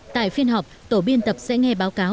tại phiên họp tổ biên tập sẽ nghe báo cáo